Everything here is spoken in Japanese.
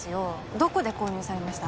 どこで購入されました？